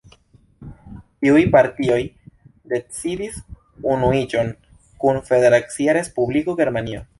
Tiuj partioj decidis unuiĝon kun Federacia Respubliko Germanio.